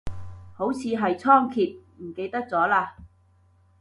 好似係倉頡，唔記得咗嘞